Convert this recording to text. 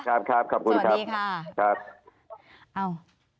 ครับครับขอบคุณสวัสดีค่ะ